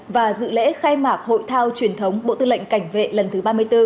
và dự lễ khai mạc hội thao truyền thống bộ tư lệnh cảnh vệ lần thứ ba mươi bốn